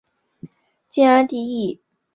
晋安帝义熙八年又省。